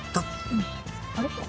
うん。あれ？